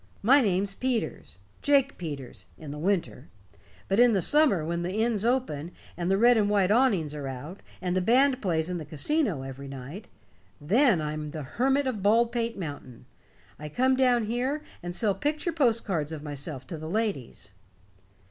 My name's Peters Jake Peters in the winter. But in the summer, when the inn's open, and the red and white awnings are out, and the band plays in the casino every night then I'm the Hermit of Baldpate Mountain. I come down here and sell picture post cards of myself to the ladies."